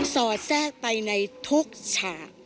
สอดแทรกไปในทุกฉาก